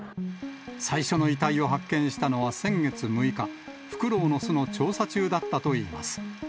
最初の遺体を発見したのは先月６日、フクロウの巣の調査中だったといいます。